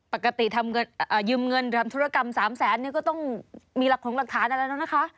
ปกติยืมเงินทำธุรกรรม๓แสนก็ต้องมีหลักของหลักฐานอะไรแล้วนะคะ